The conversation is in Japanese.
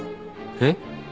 えっ？